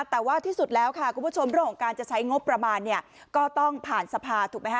แต่ว่าที่สุดแล้วค่ะคุณผู้ชมเรื่องของการจะใช้งบประมาณเนี่ยก็ต้องผ่านสภาถูกไหมฮะ